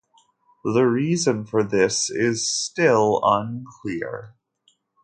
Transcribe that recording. The reason for this is still unclear.